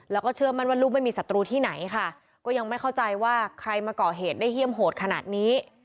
แล้วก็เชื่อมั่นว่าลูกไม่มีศัตรูที่ไหนค่ะก็ยังไม่เข้าใจว่าใครมาก่อเหตุได้เยี่ยมโหดขนาดนี้